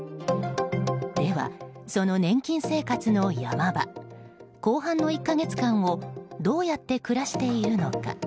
では、その年金生活の山場後半の１か月間をどうやって暮らしているのか。